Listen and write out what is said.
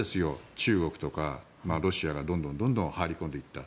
中国とかロシアがどんどん入り込んでいった。